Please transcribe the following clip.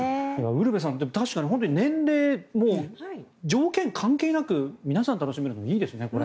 ウルヴェさん確かに年齢も条件関係なく皆さん楽しめるのはいいですね。